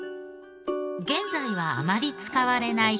現在はあまり使われない